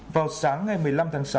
vào sáng ngày một mươi năm tháng sáu